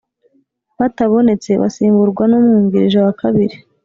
batabonetse basimburwa n umwungirije wa kabiri